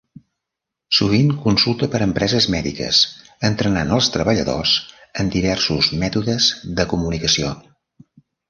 Sovint consulta per empreses mèdiques, entrenant els treballadors en diversos mètodes de comunicació.